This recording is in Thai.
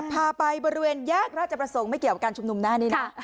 พาไปบริเวณแยกราชประสงค์ไม่เกี่ยวกับการชุมนุมหน้านี้นะ